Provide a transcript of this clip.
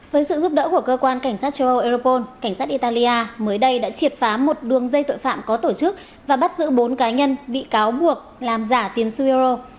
với sự giúp đỡ của cơ quan cảnh sát châu âu europol cảnh sát italia mới đây đã triệt phá một đường dây tội phạm có tổ chức và bắt giữ bốn cá nhân bị cáo buộc làm giả tiền su euro